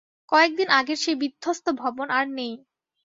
কয়েক দিন আগের সেই বিধ্বস্ত ভবন আর নেই।